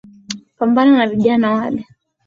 Pambana na vijana wale